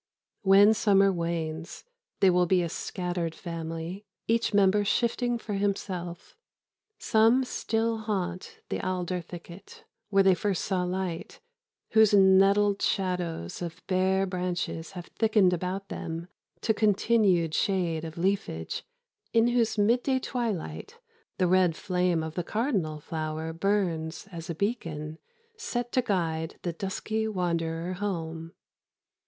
When summer wanes, they will be a scattered family, each member shifting for himself. Some still haunt the alder thicket where they first saw light, whose netted shadows of bare branches have thickened about them to continued shade of leafage, in whose midday twilight the red flame of the cardinal flower burns as a beacon set to guide the dusky wanderer home.